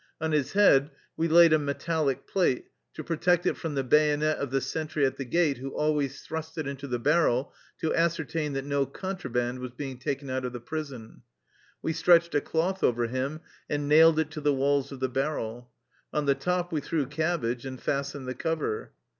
On his head we laid a metallic plate to protect it from the bayonet of the sentry at the gate who always thrust it into the barrel to ascertain that no contraband was being taken out of the prison. We stretched a cloth over him and nailed it to the walls of the barrel. On the top we threw cabbage, and fastened the cover.